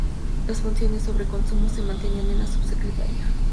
Las funciones sobre consumo se mantenían en la Subsecretaría.